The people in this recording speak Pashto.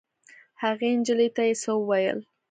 هغې نجلۍ ته یې څه وویل.